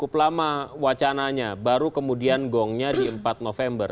pelama wacananya baru kemudian gongnya di empat november